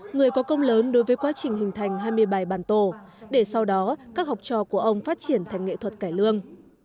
người có công lớn đối với quá trình hình thành hai mươi bài bàn tổ để sau đó các học trò của ông phát triển thành nghệ thuật cải lương